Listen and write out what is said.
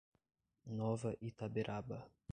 Nova Itaberaba